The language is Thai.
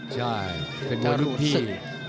ใช่เป็นมวยรุ่นพี่